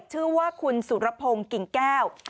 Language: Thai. ชื่อว่าคุณสุรพงศ์กิ่งแก้ว